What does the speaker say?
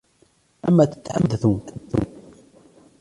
عما تتحدثون؟